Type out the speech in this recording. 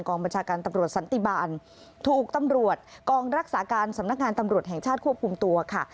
บัญชาการตำรวจสันติบาลถูกตำรวจกองรักษาการสำนักงานตำรวจแห่งชาติควบคุมตัวค่ะ